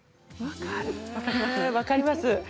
分かります。